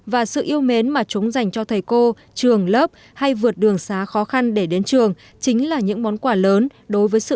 và sự yêu mến mà chúng dành cho thầy cô trường lớp hay vượt đường xá khó khăn để đến trường chính là những món quả lớn đối với sự nỗ lực của những thầy cô nơi vùng cao